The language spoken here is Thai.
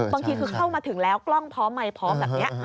บางทีคือเข้ามาถึงแล้วกล้องพร้อมไหมพร้อมแบบนี้